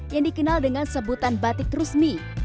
yang dikenal dengan sebutan batik rusmi